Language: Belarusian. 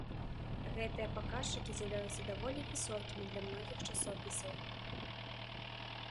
Гэтыя паказчыкі з'яўляюцца даволі высокімі для многіх часопісаў.